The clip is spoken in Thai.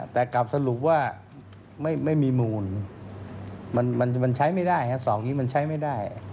แต่กลับสรุปว่าไม่มีมูลมันใช้ไม่ได้๒นี้มันใช้ไม่ได้